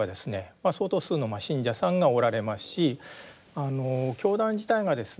相当数の信者さんがおられますし教団自体がですね